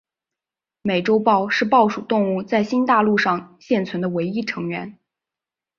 美洲豹是豹属动物在新大陆上现存的唯一成员。